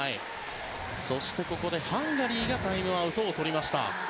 そして、ハンガリーがタイムアウトをとりました。